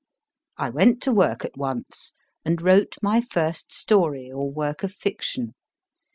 I went to work at once, and wrote my first story or work of fiction.